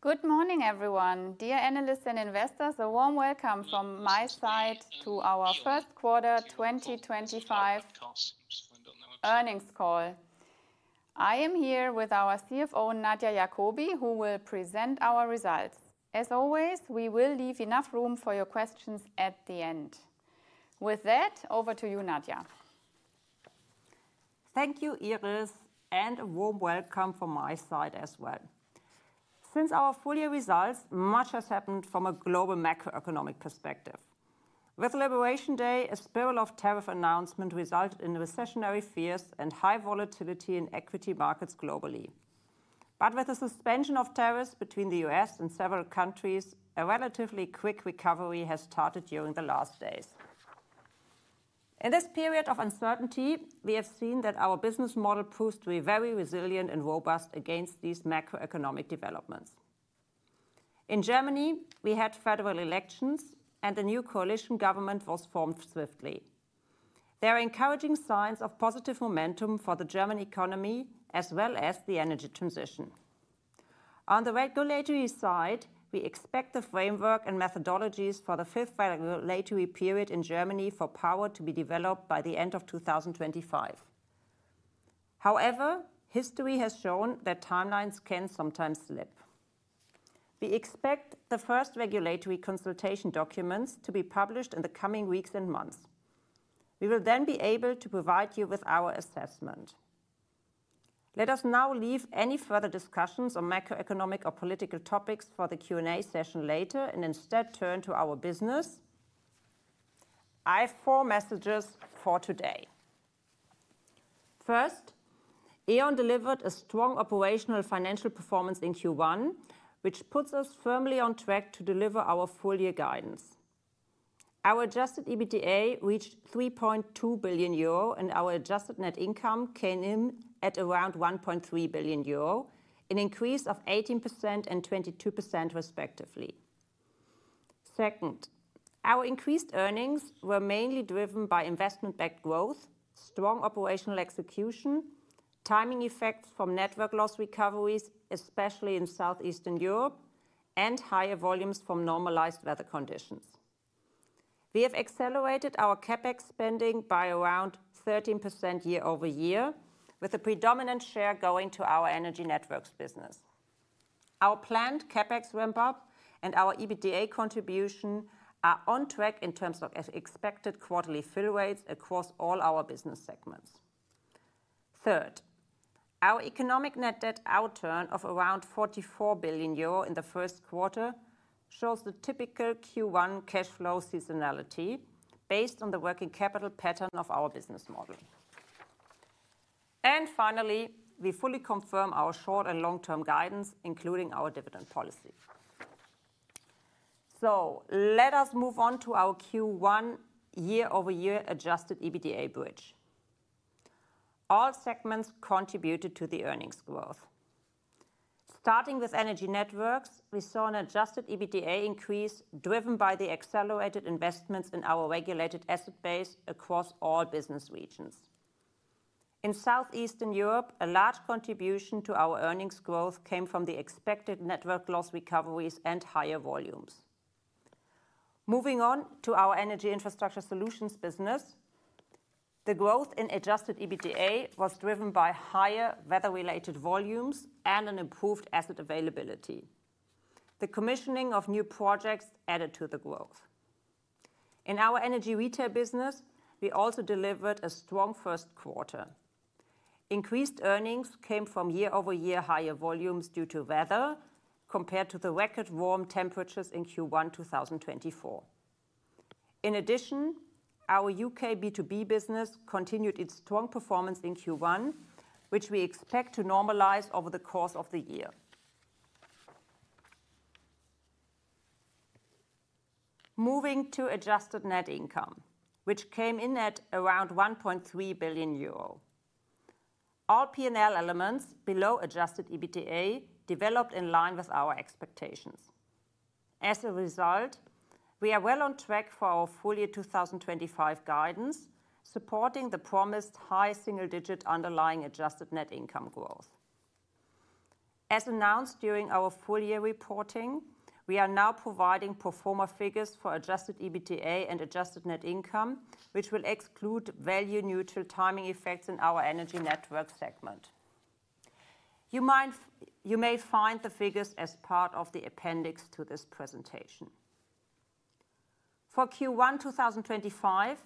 Good morning, everyone. Dear analysts and investors, a warm welcome from my side to our First Quarter 2025 Earnings Call. I am here with our CFO, Nadia Jakobi, who will present our results. As always, we will leave enough room for your questions at the end. With that, over to you, Nadia. Thank you, Iris, and a warm welcome from my side as well. Since our full year results, much has happened from a global macroeconomic perspective. With Liberation Day, a spiral of tariff announcements resulted in recessionary fears and high volatility in equity markets globally. With the suspension of tariffs between the U.S. and several countries, a relatively quick recovery has started during the last days. In this period of uncertainty, we have seen that our business model proves to be very resilient and robust against these macroeconomic developments. In Germany, we had federal elections, and a new coalition government was formed swiftly. There are encouraging signs of positive momentum for the German economy as well as the energy transition. On the regulatory side, we expect the framework and methodologies for the 5th regulatory period in Germany for power to be developed by the end of 2025. However, history has shown that timelines can sometimes slip. We expect the first regulatory consultation documents to be published in the coming weeks and months. We will then be able to provide you with our assessment. Let us now leave any further discussions on macroeconomic or political topics for the Q&A session later and instead turn to our business. I have four messages for today. First, E.ON delivered a strong operational financial performance in Q1, which puts us firmly on track to deliver our full year guidance. Our adjusted EBITDA reached 3.2 billion euro, and our adjusted net income came in at around 1.3 billion euro, an increase of 18% and 22% respectively. Second, our increased earnings were mainly driven by investment-backed growth, strong operational execution, timing effects from network loss recoveries, especially in South-Eastern Europe, and higher volumes from normalized weather conditions. We have accelerated our CapEx spending by around 13% year-over-year, with the predominant share going to our energy networks business. Our planned CapEx ramp-up and our EBITDA contribution are on track in terms of expected quarterly fill rates across all our business segments. Third, our economic net debt outturn of around 44 billion euro in the first quarter shows the typical Q1 cash flow seasonality based on the working capital pattern of our business model. Finally, we fully confirm our short and long-term guidance, including our dividend policy. Let us move on to our Q1 year-over-year adjusted EBITDA bridge. All segments contributed to the earnings growth. Starting with energy networks, we saw an adjusted EBITDA increase driven by the accelerated investments in our regulated asset base across all business regions. In South-Eastern Europe, a large contribution to our earnings growth came from the expected network loss recoveries and higher volumes. Moving on to our energy infrastructure solutions business, the growth in adjusted EBITDA was driven by higher weather-related volumes and an improved asset availability. The commissioning of new projects added to the growth. In our energy retail business, we also delivered a strong first quarter. Increased earnings came from year-over-year higher volumes due to weather compared to the record warm temperatures in Q1 2024. In addition, our U.K. B2B business continued its strong performance in Q1, which we expect to normalize over the course of the year. Moving to adjusted net income, which came in at around 1.3 billion euro. All P&L elements below adjusted EBITDA developed in line with our expectations. As a result, we are well on track for our full year 2025 guidance, supporting the promised high single-digit underlying adjusted net income growth. As announced during our full year reporting, we are now providing pro forma figures for adjusted EBITDA and adjusted net income, which will exclude value-neutral timing effects in our energy networks segment. You may find the figures as part of the appendix to this presentation. For Q1 2025,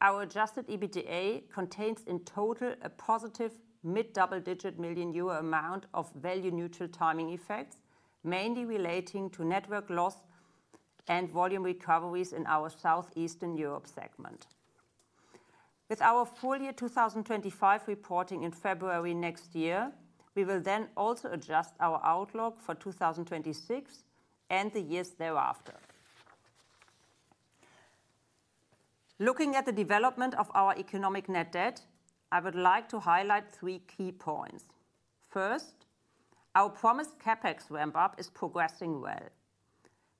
our adjusted EBITDA contains in total a positive mid-double-digit million EUR amount of value-neutral timing effects, mainly relating to network loss and volume recoveries in our South-Eastern Europe segment. With our full year 2025 reporting in February next year, we will then also adjust our outlook for 2026 and the years thereafter. Looking at the development of our economic net debt, I would like to highlight three key points. First, our promised CapEx ramp-up is progressing well.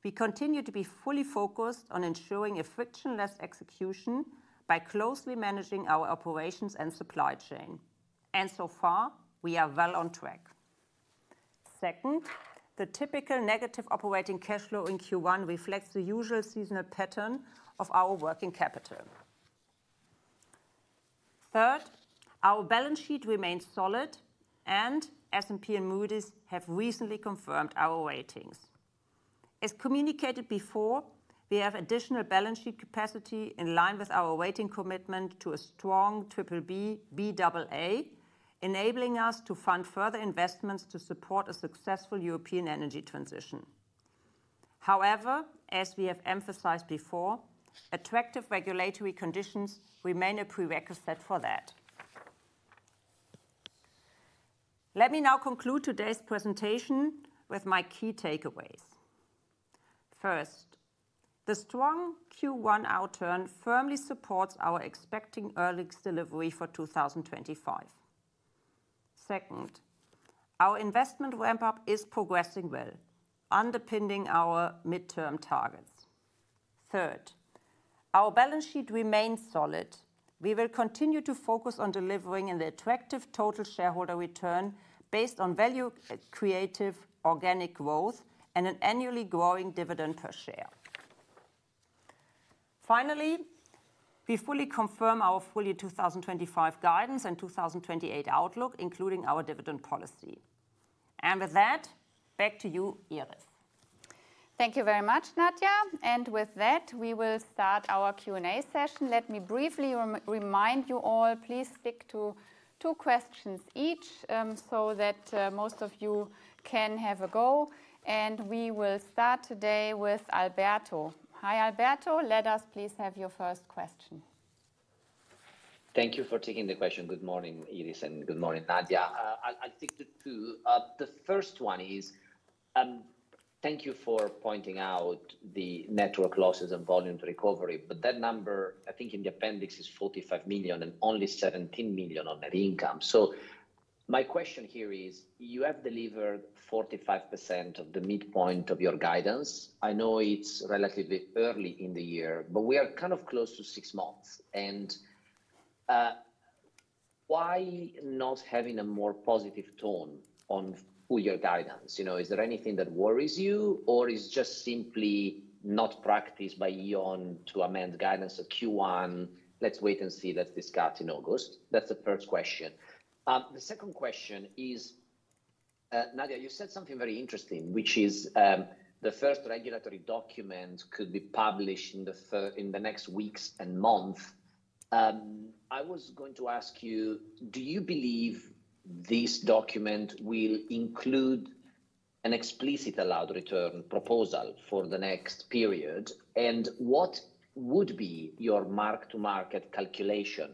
We continue to be fully focused on ensuring a frictionless execution by closely managing our operations and supply chain. So far, we are well on track. Second, the typical negative operating cash flow in Q1 reflects the usual seasonal pattern of our working capital. Third, our balance sheet remains solid, and S&P and Moody's have recently confirmed our ratings. As communicated before, we have additional balance sheet capacity in line with our rating commitment to a strong BBB/Baa, enabling us to fund further investments to support a successful European energy transition. However, as we have emphasized before, attractive regulatory conditions remain a prerequisite for that. Let me now conclude today's presentation with my key takeaways. First, the strong Q1 outturn firmly supports our expecting earnings delivery for 2025. Second, our investment ramp-up is progressing well, underpinning our midterm targets. Third, our balance sheet remains solid. We will continue to focus on delivering an attractive total shareholder return based on value-creative organic growth and an annually growing dividend per share. Finally, we fully confirm our full year 2025 guidance and 2028 outlook, including our dividend policy. With that, back to you, Iris. Thank you very much, Nadia. With that, we will start our Q&A session. Let me briefly remind you all, please stick to two questions each so that most of you can have a go. We will start today with Alberto. Hi Alberto. Let us please have your first question. Thank you for taking the question. Good morning, Iris, and good morning, Nadia. I'll stick to two. The first one is, thank you for pointing out the network losses and volume recovery, but that number, I think in the appendix, is 45 million and only 17 million on net income. My question here is, you have delivered 45% of the midpoint of your guidance. I know it's relatively early in the year, but we are kind of close to six months. Why not having a more positive tone on full year guidance? Is there anything that worries you, or is it just simply not practice by E.ON to amend guidance at Q1? Let's wait and see. Let's discuss in August. That's the first question. The second question is, Nadia, you said something very interesting, which is the first regulatory document could be published in the next weeks and months. I was going to ask you, do you believe this document will include an explicit allowed return proposal for the next period? What would be your mark-to-market calculation?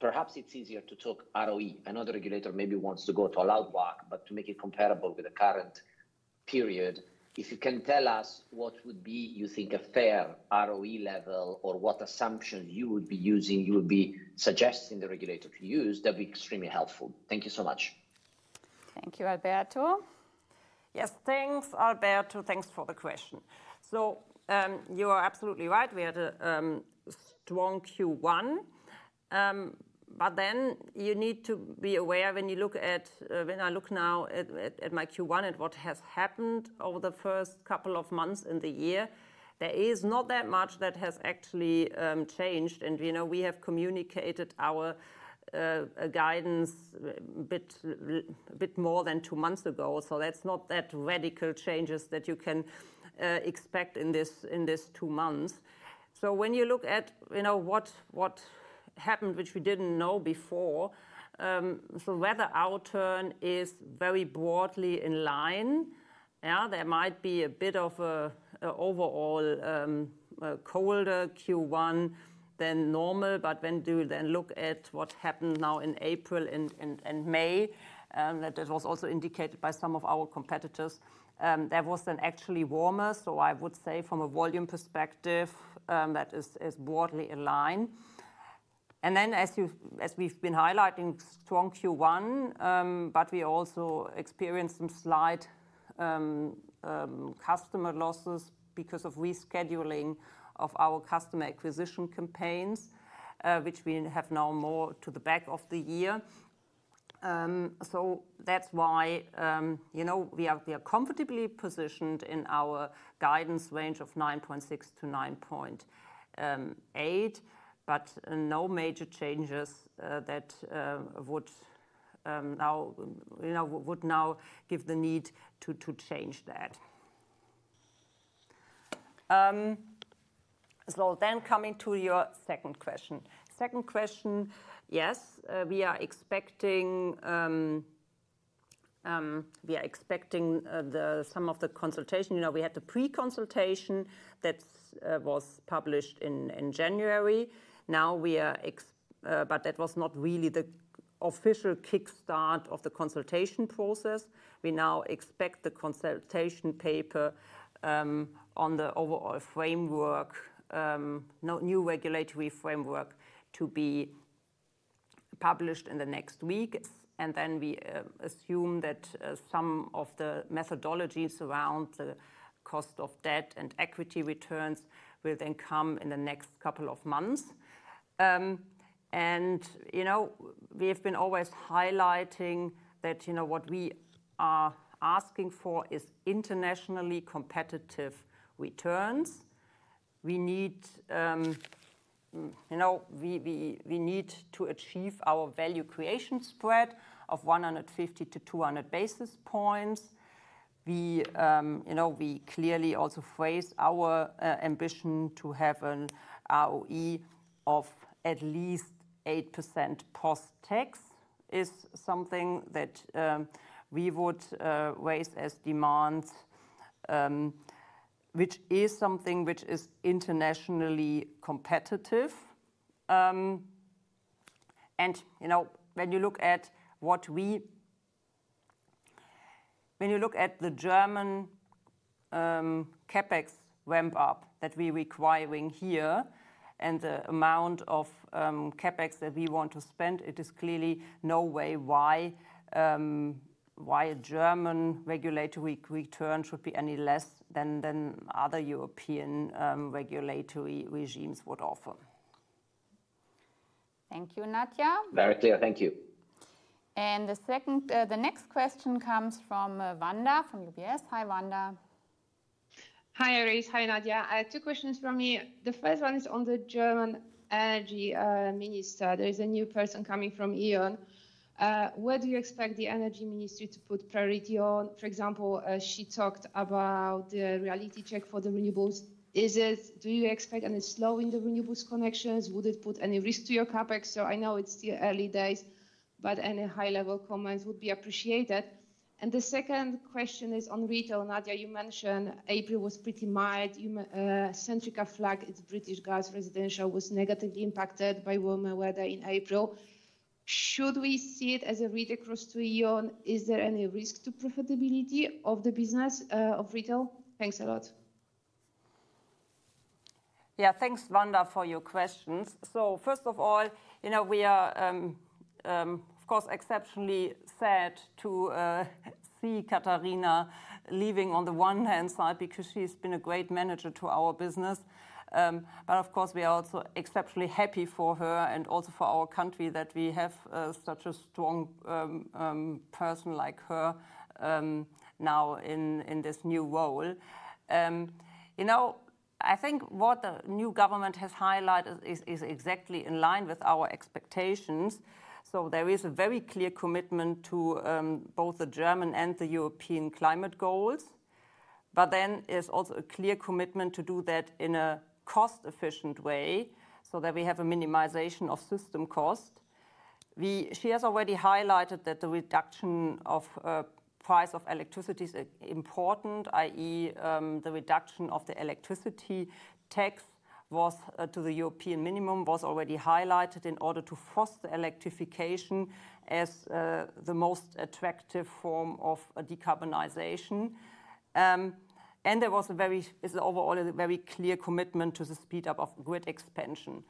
Perhaps it is easier to talk ROE. I know the regulator maybe wants to go to allowed market, but to make it comparable with the current period, if you can tell us what would be, you think, a fair ROE level or what assumptions you would be using, you would be suggesting the regulator to use, that would be extremely helpful. Thank you so much. Thank you, Alberto. Yes, thanks, Alberto. Thanks for the question. You are absolutely right. We had a strong Q1. You need to be aware when you look at, when I look now at my Q1 and what has happened over the first couple of months in the year, there is not that much that has actually changed. We have communicated our guidance a bit more than two months ago. That is not that radical changes that you can expect in this two months. When you look at what happened, which we did not know before, the weather outturn is very broadly in line. There might be a bit of an overall colder Q1 than normal. When you then look at what happened now in April and May, that was also indicated by some of our competitors, that was then actually warmer. I would say from a volume perspective, that is broadly in line. As we have been highlighting, strong Q1, but we also experienced some slight customer losses because of rescheduling of our customer acquisition campaigns, which we have now more to the back of the year. That is why we are comfortably positioned in our guidance range of 9.6 billion-9.8 billion, but no major changes that would now give the need to change that. Coming to your second question, yes, we are expecting some of the consultation. We had the pre-consultation that was published in January. That was not really the official kickstart of the consultation process. We now expect the consultation paper on the overall framework, new regulatory framework, to be published in the next week. We assume that some of the methodologies around the cost of debt and equity returns will then come in the next couple of months. We have been always highlighting that what we are asking for is internationally competitive returns. We need to achieve our value creation spread of 150-200 basis points. We clearly also phrase our ambition to have an ROE of at least 8% post-tax is something that we would raise as demands, which is something which is internationally competitive. When you look at the German CapEx ramp-up that we are requiring here and the amount of CapEx that we want to spend, it is clearly no way why a German regulatory return should be any less than other European regulatory regimes would offer. Thank you, Nadia. Very clear. Thank you. The next question comes from Wanda from UBS. Hi, Wanda. Hi, Iris. Hi, Nadia. Two questions from me. The first one is on the German energy minister. There is a new person coming from E.ON. Where do you expect the energy ministry to put priority on? For example, she talked about the reality check for the renewables. Do you expect any slow in the renewables connections? Would it put any risk to your CapEx? I know it's still early days, but any high-level comments would be appreciated. The second question is on retail. Nadia, you mentioned April was pretty mild. Centrica flagged its British Gas residential was negatively impacted by warmer weather in April. Should we see it as a retail cross to E.ON? Is there any risk to profitability of the business of retail? Thanks a lot. Yeah, thanks, Wanda, for your questions. First of all, we are, of course, exceptionally sad to see Katherina leaving on the one hand side because she's been a great manager to our business. Of course, we are also exceptionally happy for her and also for our country that we have such a strong person like her now in this new role. I think what the new government has highlighted is exactly in line with our expectations. There is a very clear commitment to both the German and the European climate goals. There is also a clear commitment to do that in a cost-efficient way so that we have a minimization of system cost. She has already highlighted that the reduction of price of electricity is important, i.e., the reduction of the electricity tax to the European minimum was already highlighted in order to force the electrification as the most attractive form of decarbonization. There was a very, overall, a very clear commitment to the speed up of grid expansion.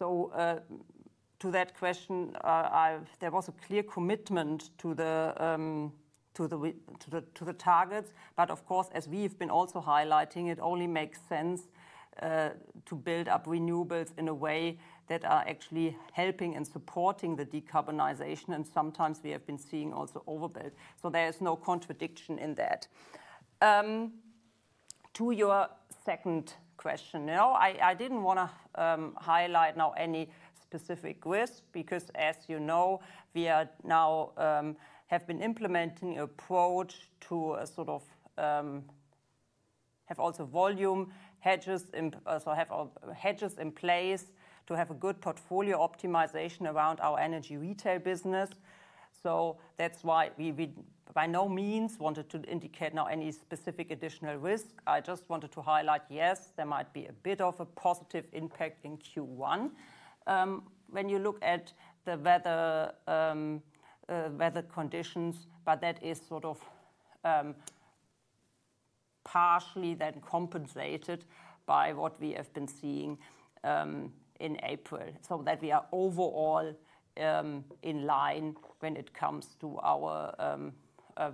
To that question, there was a clear commitment to the targets. Of course, as we've been also highlighting, it only makes sense to build up renewables in a way that are actually helping and supporting the decarbonization. Sometimes we have been seeing also overbuilt. There is no contradiction in that. To your second question, I did not want to highlight now any specific risks because, as you know, we now have been implementing an approach to sort of have also volume hedges, so have hedges in place to have a good portfolio optimization around our energy retail business. That is why we by no means wanted to indicate now any specific additional risk. I just wanted to highlight, yes, there might be a bit of a positive impact in Q1 when you look at the weather conditions, but that is sort of partially then compensated by what we have been seeing in April so that we are overall in line when it comes to our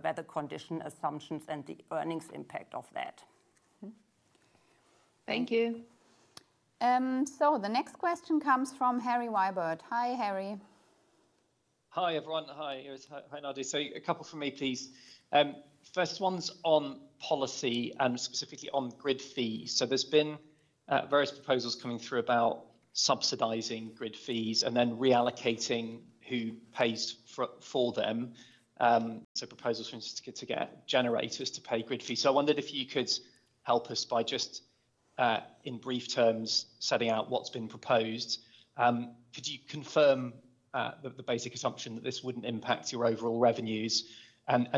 weather condition assumptions and the earnings impact of that. Thank you. The next question comes from Harry Wyburd. Hi, Harry. Hi everyone. Hi, Iris. Hi, Nadia. A couple for me, please. First ones on policy and specifically on grid fees. There have been various proposals coming through about subsidizing grid fees and then reallocating who pays for them. Proposals to get generators to pay grid fees. I wondered if you could help us by just, in brief terms, setting out what has been proposed. Could you confirm the basic assumption that this would not impact your overall revenues?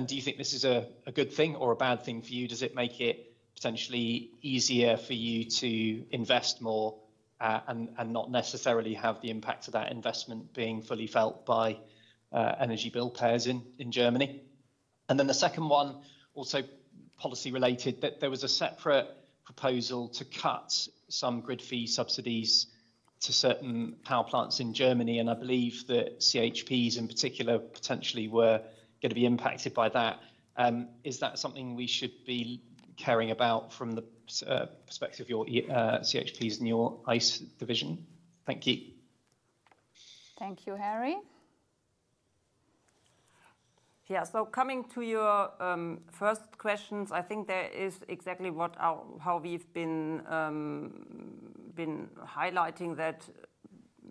Do you think this is a good thing or a bad thing for you? Does it make it potentially easier for you to invest more and not necessarily have the impact of that investment being fully felt by energy bill payers in Germany? The second one, also policy related, there was a separate proposal to cut some grid fee subsidies to certain power plants in Germany. I believe that CHPs in particular potentially were going to be impacted by that. Is that something we should be caring about from the perspective of your CHPs in your ICE division? Thank you. Thank you, Harry. Yeah, coming to your first questions, I think that is exactly how we've been highlighting that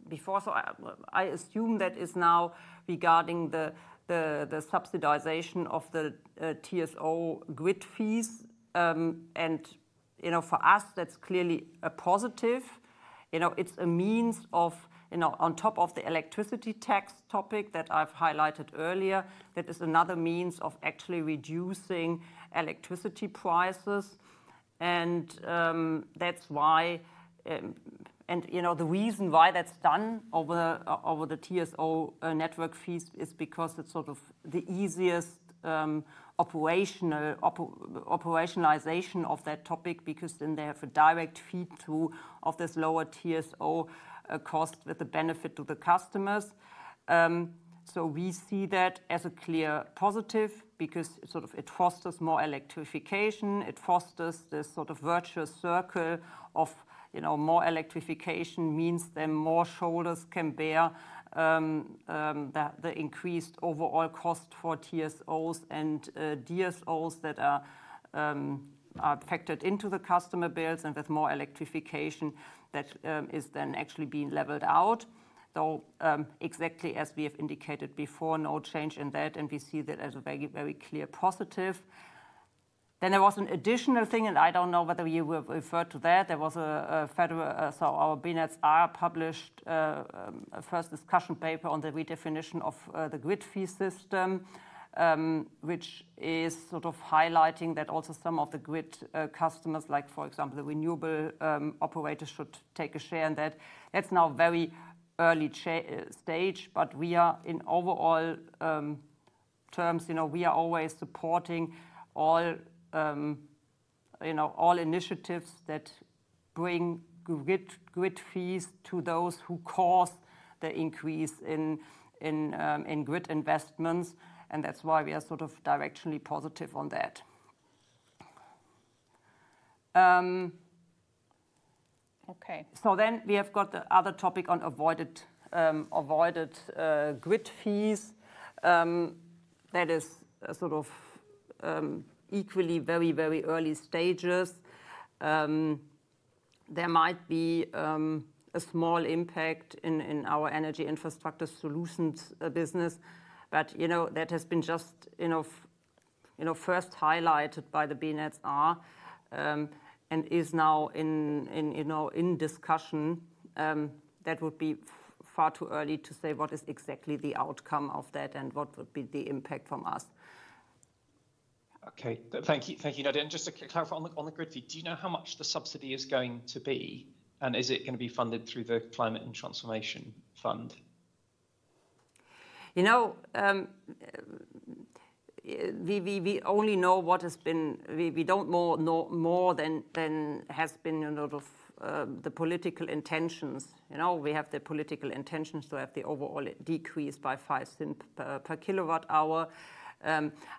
before. I assume that is now regarding the subsidization of the TSO grid fees. For us, that's clearly a positive. It's a means of, on top of the electricity tax topic that I've highlighted earlier, that is another means of actually reducing electricity prices. That's why, and the reason why that's done over the TSO network fees is because it's sort of the easiest operationalization of that topic because then they have a direct feed through of this lower TSO cost with the benefit to the customers. We see that as a clear positive because it fosters more electrification. It fosters this sort of virtuous circle of more electrification means then more shoulders can bear the increased overall cost for TSOs and DSOs that are factored into the customer bills. With more electrification, that is then actually being leveled out. Exactly as we have indicated before, no change in that. We see that as a very, very clear positive. There was an additional thing, and I do not know whether you referred to that. There was a federal, so our BNetzA published first discussion paper on the redefinition of the grid fee system, which is sort of highlighting that also some of the grid customers, like for example, the renewable operators, should take a share in that. That's now very early stage, but we are in overall terms, we are always supporting all initiatives that bring grid fees to those who cause the increase in grid investments. That's why we are sort of directionally positive on that. Okay. Then we have got the other topic on avoided grid fees. That is sort of equally very, very early stages. There might be a small impact in our Energy Infrastructure Solutions business, but that has been just first highlighted by the BNetzA and is now in discussion. That would be far too early to say what is exactly the outcome of that and what would be the impact from us. Okay. Thank you, Nadia. Just to clarify on the grid fee, do you know how much the subsidy is going to be? Is it going to be funded through the Climate and Transformation Fund? We only know what has been, we do not know more than has been the political intentions. We have the political intentions to have the overall decrease by five cents per kilowatt hour.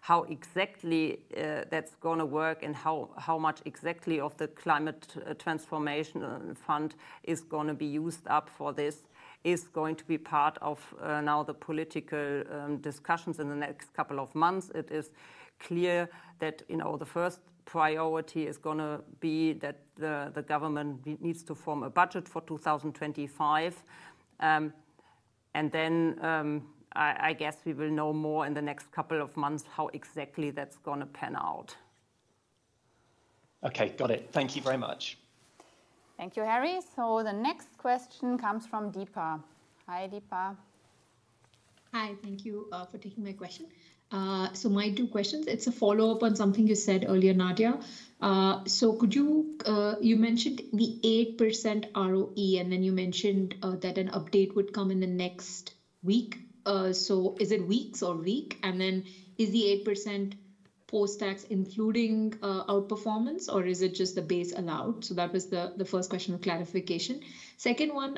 How exactly that is going to work and how much exactly of the Climate Transformation Fund is going to be used up for this is going to be part of now the political discussions in the next couple of months. It is clear that the first priority is going to be that the government needs to form a budget for 2025. I guess we will know more in the next couple of months how exactly that is going to pan out. Okay, got it. Thank you very much. Thank you, Harry. The next question comes from Deepa. Hi, Deepa. Hi, thank you for taking my question. My two questions, it's a follow-up on something you said earlier, Nadia. You mentioned the 8% ROE and then you mentioned that an update would come in the next week. Is it weeks or week? Is the 8% post-tax including outperformance or is it just the base allowed? That was the first question of clarification. Second one,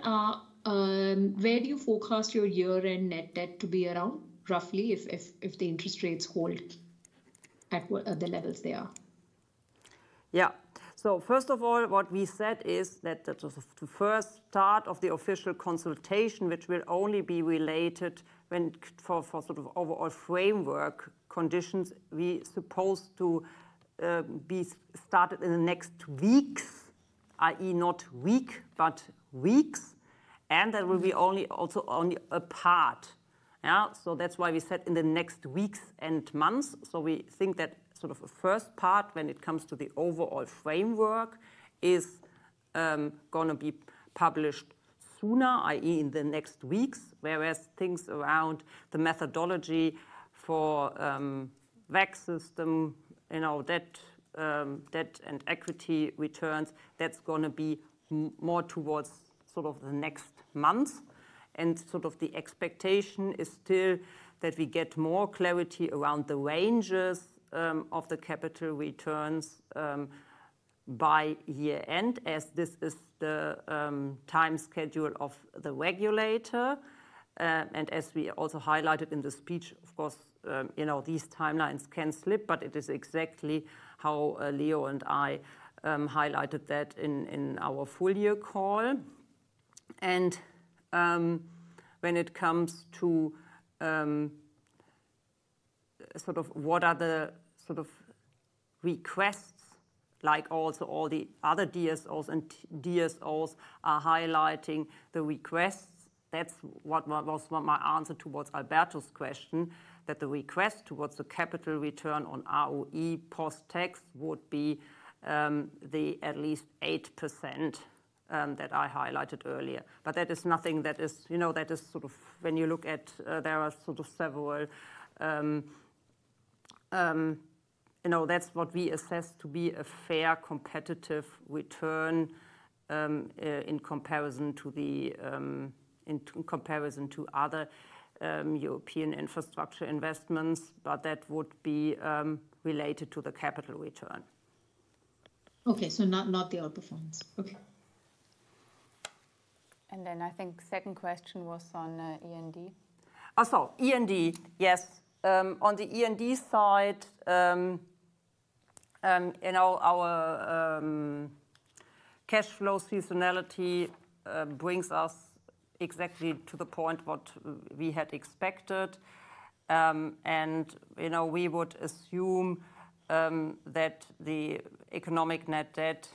where do you forecast your year-end net debt to be around roughly if the interest rates hold at the levels they are? Yeah. First of all, what we said is that the first part of the official consultation, which will only be related for sort of overall framework conditions, we suppose to be started in the next weeks, i.e., not week, but weeks. That will be also only a part. That is why we said in the next weeks and months. We think that sort of a first part when it comes to the overall framework is going to be published sooner, i.e., in the next weeks, whereas things around the methodology for VAC system, debt and equity returns, that is going to be more towards the next months. The expectation is still that we get more clarity around the ranges of the capital returns by year-end as this is the time schedule of the regulator. As we also highlighted in the speech, of course, these timelines can slip. It is exactly how Leo and I highlighted that in our full year call. When it comes to what are the sort of requests, like also all the other DSOs are highlighting the requests, that was my answer towards Alberto's question, that the request towards the capital return on ROE post-tax would be the at least 8% that I highlighted earlier. That is nothing that is, when you look at, there are several, that is what we assess to be a fair competitive return in comparison to other European infrastructure investments, but that would be related to the capital return. Okay, so not the outperformance. Okay. I think second question was on E&D. E&D, yes. On the E&D side, our cash flow seasonality brings us exactly to the point what we had expected. We would assume that the economic net debt,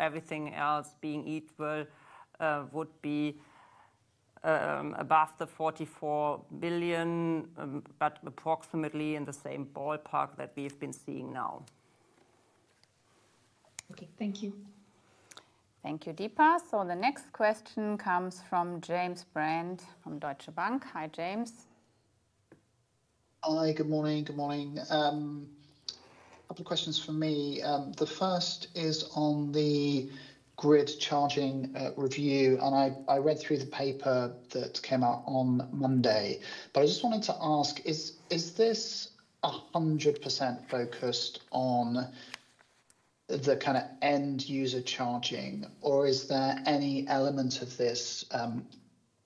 everything else being equal, would be above 44 billion, but approximately in the same ballpark that we've been seeing now. Okay, thank you. Thank you, Deepa. The next question comes from James Brand from Deutsche Bank. Hi, James. Hi, good morning. Good morning. A couple of questions for me. The first is on the grid charging review. I read through the paper that came out on Monday. I just wanted to ask, is this 100% focused on the kind of end user charging, or is there any element of this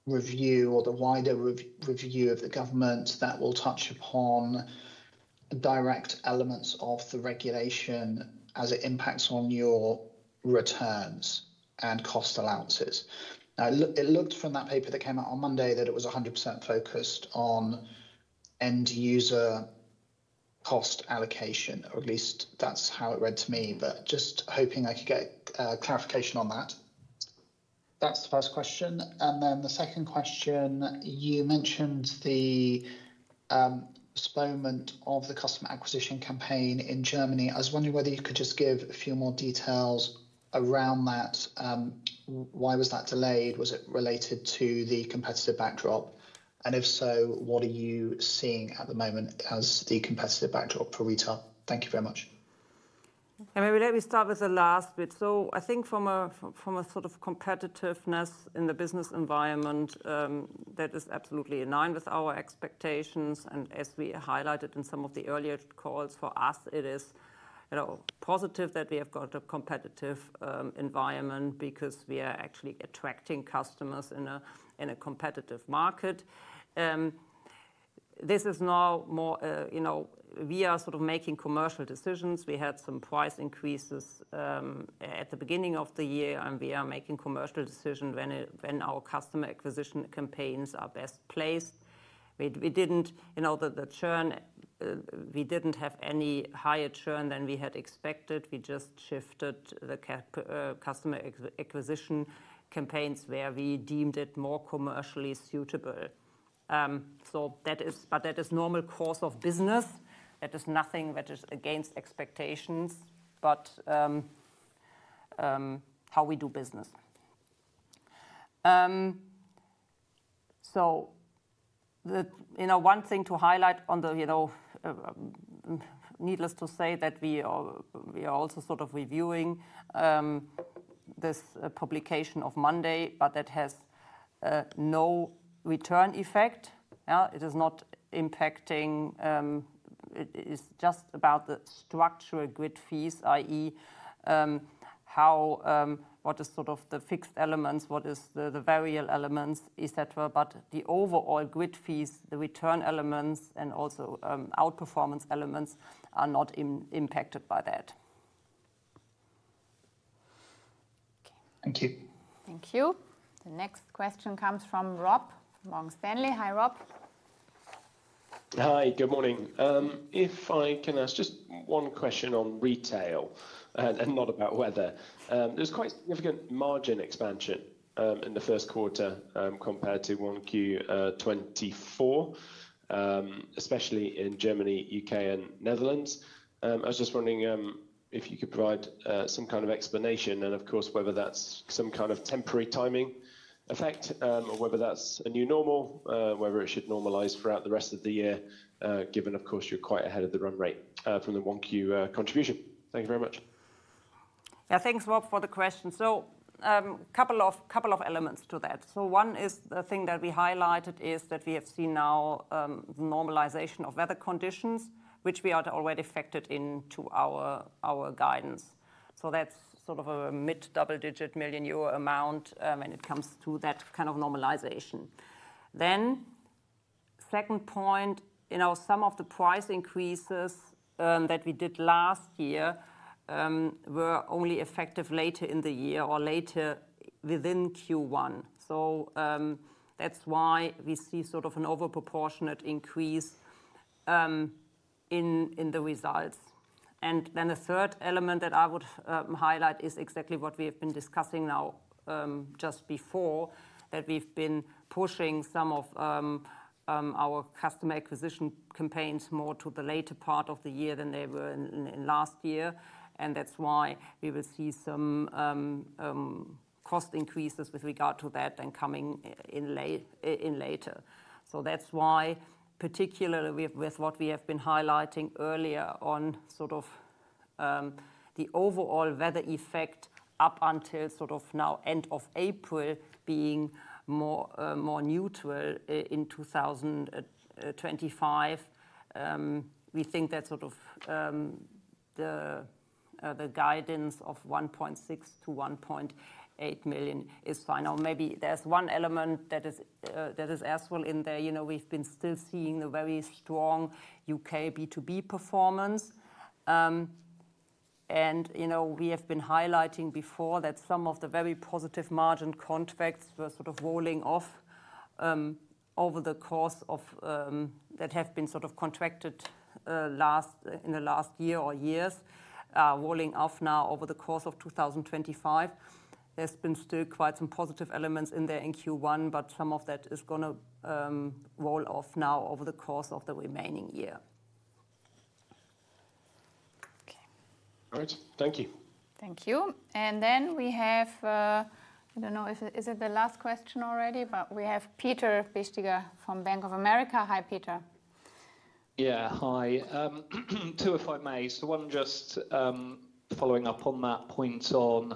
review or the wider review of the government that will touch upon direct elements of the regulation as it impacts on your returns and cost allowances? It looked from that paper that came out on Monday that it was 100% focused on end user cost allocation, or at least that's how it read to me. I am just hoping I could get clarification on that. That's the first question. The second question, you mentioned the postponement of the customer acquisition campaign in Germany. I was wondering whether you could just give a few more details around that. Why was that delayed? Was it related to the competitive backdrop? If so, what are you seeing at the moment as the competitive backdrop for retail? Thank you very much. I mean, let me start with the last bit. I think from a sort of competitiveness in the business environment, that is absolutely in line with our expectations. As we highlighted in some of the earlier calls, for us, it is positive that we have got a competitive environment because we are actually attracting customers in a competitive market. This is now more we are sort of making commercial decisions. We had some price increases at the beginning of the year, and we are making commercial decisions when our customer acquisition campaigns are best placed. We did not have any higher churn than we had expected. We just shifted the customer acquisition campaigns where we deemed it more commercially suitable. That is normal course of business. That is nothing that is against expectations, but how we do business. One thing to highlight on the needless to say that we are also sort of reviewing this publication of Monday, but that has no return effect. It is not impacting, it is just about the structural grid fees, i.e., what is sort of the fixed elements, what is the variable elements, etc. The overall grid fees, the return elements, and also outperformance elements are not impacted by that. Thank you. Thank you. The next question comes from Rob from Morgan Stanley. Hi, Rob. Hi, good morning. If I can ask just one question on retail and not about weather. There's quite significant margin expansion in the first quarter compared to 1Q 2024, especially in Germany, U.K., and Netherlands. I was just wondering if you could provide some kind of explanation and of course whether that's some kind of temporary timing effect or whether that's a new normal, whether it should normalize throughout the rest of the year given of course you're quite ahead of the run rate from the 1Q contribution. Thank you very much. Yeah, thanks Rob for the question. A couple of elements to that. One is the thing that we highlighted is that we have seen now the normalization of weather conditions, which we already factored into our guidance. That is sort of a mid double-digit million euro amount when it comes to that kind of normalization. The second point, some of the price increases that we did last year were only effective later in the year or later within Q1. That is why we see sort of an overproportionate increase in the results. The third element that I would highlight is exactly what we have been discussing now just before, that we have been pushing some of our customer acquisition campaigns more to the later part of the year than they were in last year. That is why we will see some cost increases with regard to that and coming in later. That is why particularly with what we have been highlighting earlier on, sort of the overall weather effect up until now, end of April, being more neutral in 2025, we think that the guidance of 1.6 million-1.8 million is fine. Maybe there is one element that is as well in there. We have been still seeing the very strong U.K. B2B performance. We have been highlighting before that some of the very positive margin contracts were rolling off over the course of, that have been contracted in the last year or years, rolling off now over the course of 2025. There's been still quite some positive elements in there in Q1, but some of that is going to roll off now over the course of the remaining year. All right, thank you. Thank you. I do not know if it is the last question already, but we have Peter Bisztyga from Bank of America. Hi, Peter. Yeah, hi. Two if I may. One, just following up on that point on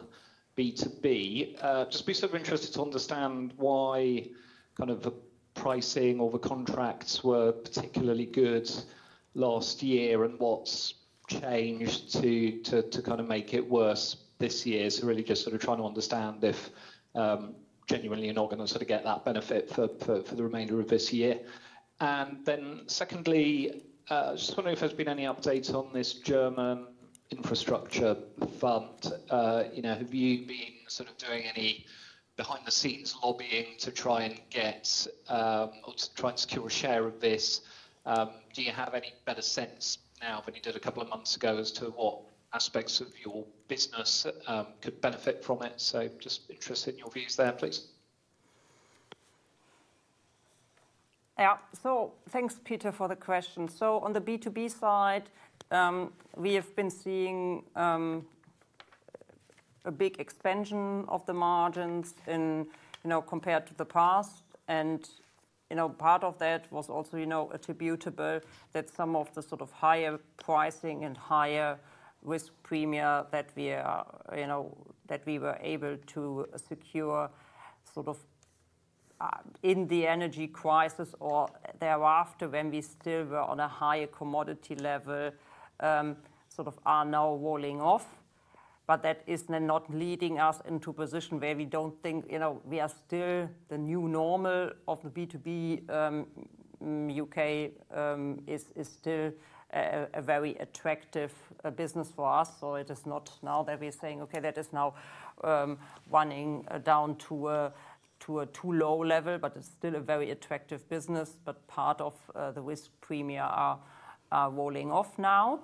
B2B, just be sort of interested to understand why kind of the pricing or the contracts were particularly good last year and what's changed to kind of make it worse this year. Really just sort of trying to understand if genuinely you're not going to sort of get that benefit for the remainder of this year. Secondly, I just wonder if there's been any updates on this German infrastructure fund. Have you been sort of doing any behind-the-scenes lobbying to try and get or to try and secure a share of this? Do you have any better sense now than you did a couple of months ago as to what aspects of your business could benefit from it? Just interested in your views there, please. Yeah, thanks, Peter, for the question. On the B2B side, we have been seeing a big expansion of the margins compared to the past. Part of that was also attributable to some of the sort of higher pricing and higher risk premia that we were able to secure in the energy crisis or thereafter when we still were on a higher commodity level, which are now rolling off. That is not leading us into a position where we do not think we are still in the new normal of the B2B U.K. It is still a very attractive business for us. It is not now that we are saying, okay, that is now running down to a too low level. It is still a very attractive business, but part of the risk premia are rolling off now.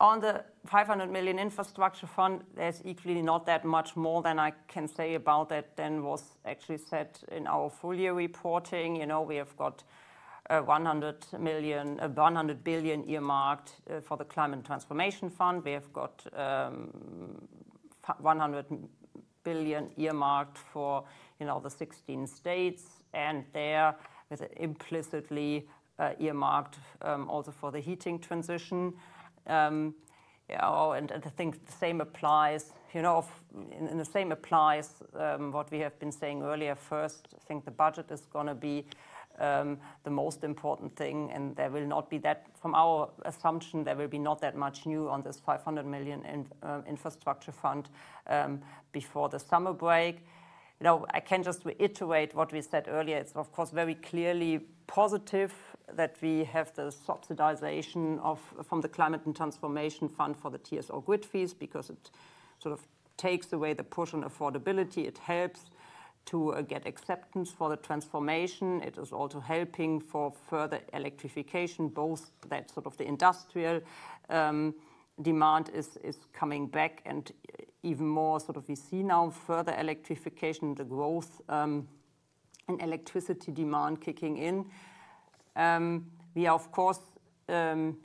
On the 500 million infrastructure fund, there is equally not that much more that I can say about that than was actually said in our full year reporting. We have got 100 billion earmarked for the climate transformation fund. We have got 100 billion earmarked for the 16 states and therewith implicitly earmarked also for the heating transition. I think the same applies, the same applies to what we have been saying earlier. First, I think the budget is going to be the most important thing and from our assumption there will not be that much new on this 500 million infrastructure fund before the summer break. I can just reiterate what we said earlier. It's of course very clearly positive that we have the subsidization from the climate and transformation fund for the TSO grid fees because it sort of takes away the push on affordability. It helps to get acceptance for the transformation. It is also helping for further electrification, both that sort of the industrial demand is coming back and even more sort of we see now further electrification, the growth in electricity demand kicking in. We are of course,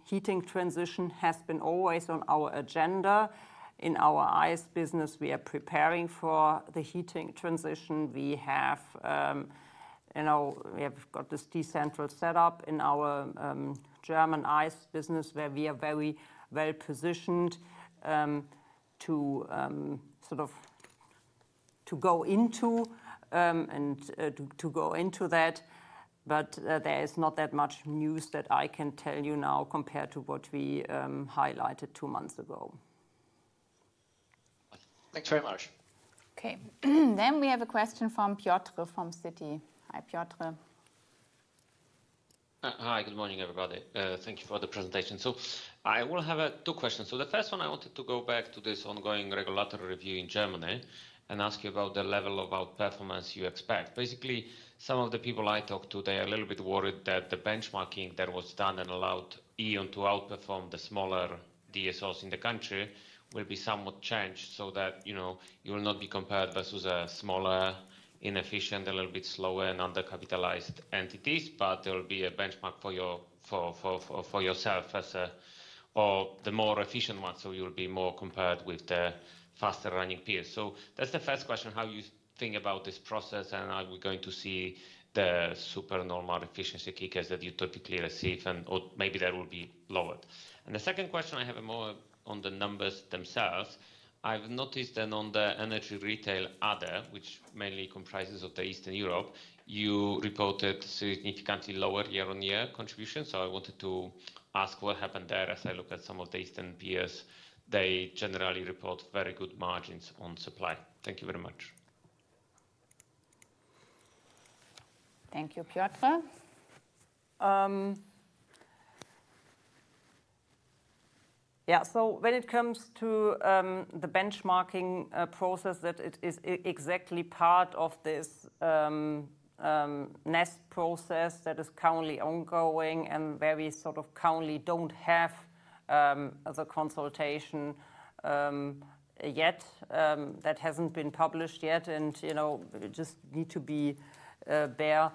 heating transition has been always on our agenda. In our ICE business, we are preparing for the heating transition. We have got this decentral setup in our German ICE business where we are very well positioned to sort of to go into and to go into that. There is not that much news that I can tell you now compared to what we highlighted two months ago. Thanks very much. Okay, then we have a question from Piotr from Citi. Hi, Piotr. Hi, good morning everybody. Thank you for the presentation. I will have two questions. The first one, I wanted to go back to this ongoing regulatory review in Germany and ask you about the level of outperformance you expect. Basically, some of the people I talked to, they are a little bit worried that the benchmarking that was done and allowed E.ON to outperform the smaller DSOs in the country will be somewhat changed so that you will not be compared versus a smaller, inefficient, a little bit slower and undercapitalized entities, but there will be a benchmark for yourself or the more efficient one. You will be more compared with the faster running peers. That is the first question, how you think about this process and how we are going to see the supernormal efficiency kickers that you typically receive and maybe that will be lowered. The second question I have is more on the numbers themselves. I have noticed that on the energy retail other, which mainly comprises of Eastern Europe, you reported significantly lower year-on-year contribution. I wanted to ask what happened there as I look at some of the Eastern peers. They generally report very good margins on supply. Thank you very much. Thank you, Piotr. Yeah, so when it comes to the benchmarking process, that is exactly part of this NEST process that is currently ongoing and where we sort of currently do not have the consultation yet that has not been published yet and just need to be there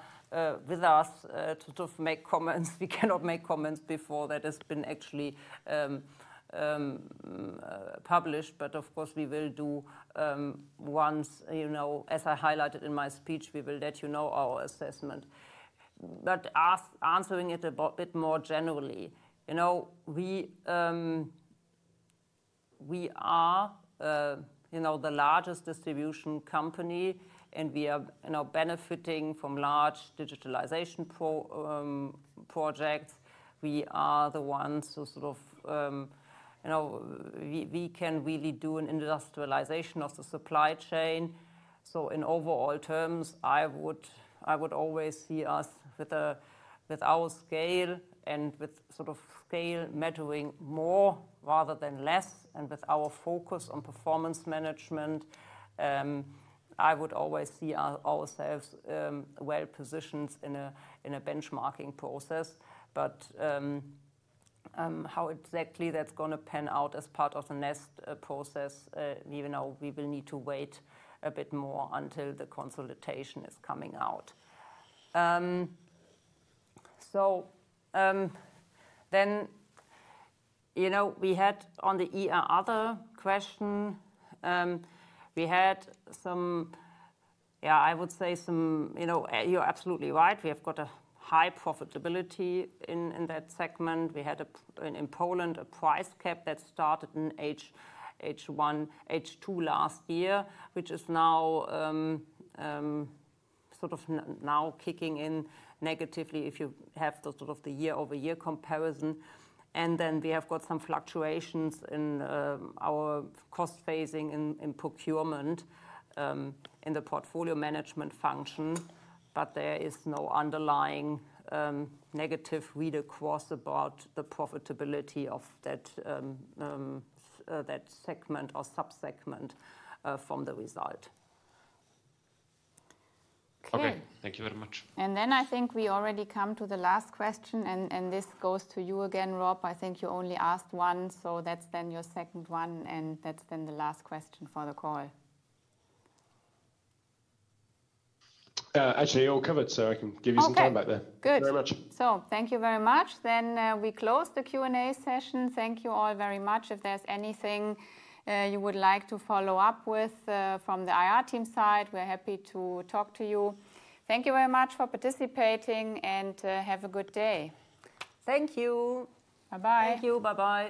with us to sort of make comments. We cannot make comments before that has been actually published, but of course we will do once, as I highlighted in my speech, we will let you know our assessment. Answering it a bit more generally, we are the largest distribution company and we are benefiting from large digitalization projects. We are the ones who sort of we can really do an industrialization of the supply chain. In overall terms, I would always see us with our scale and with sort of scale measuring more rather than less and with our focus on performance management. I would always see ourselves well positioned in a benchmarking process, but how exactly that is going to pan out as part of the NEST process, we will need to wait a bit more until the consolidation is coming out. We had on the other question, we had some, yeah, I would say some, you are absolutely right. We have got a high profitability in that segment. We had in Poland a price cap that started in H2 last year, which is now sort of now kicking in negatively if you have the sort of the year-over-year comparison. We have got some fluctuations in our cost phasing in procurement in the portfolio management function, but there is no underlying negative read across about the profitability of that segment or subsegment from the result. Okay, thank you very much. I think we already come to the last question and this goes to you again, Rob. I think you only asked one, so that's then your second one and that's then the last question for the call. Yeah, actually all covered, so I can give you some time back there. Okay, good. Very much. Thank you very much. We close the Q&A session. Thank you all very much. If there is anything you would like to follow up with from the IR team side, we are happy to talk to you. Thank you very much for participating and have a good day. Thank you. Bye-bye. Thank you, bye-bye.